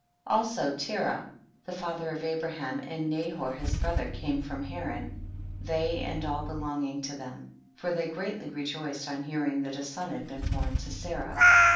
6. Also Terah, the father of Abra ham, and Nahor his brother, came from Haran, they and all belonging to them, for they greatly rejoiced on hearing that a son had been born to Sarah.